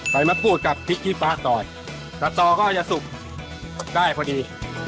ไปมาพูดกับพริกที่ปลาสตอยสตอก็จะสุกได้พอดี